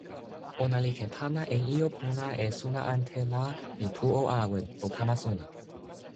ona li ken pana e ijo pona e sona ante la mi tu o awen, o kama sona.